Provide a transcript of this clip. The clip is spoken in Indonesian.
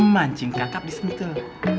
mancing kakap di sentuh